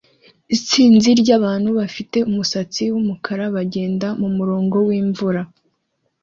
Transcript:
Isinzi ryabantu bafite umusatsi wumukara bagenda mumurongo wimvura